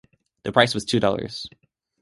The price was two dollars.